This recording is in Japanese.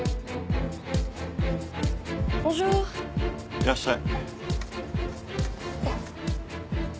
いらっしゃい。